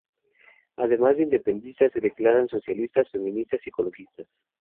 Además de independentistas, se declaran socialistas, feministas y ecologistas.